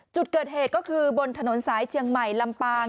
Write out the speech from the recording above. จุดเกิดเหตุก็คือบนถนนสายเชียงใหม่ลำปาง